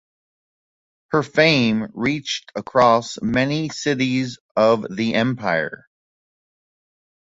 Her fame reached across many cities of the Empire.